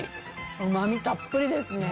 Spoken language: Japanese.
うまみたっぷりですね。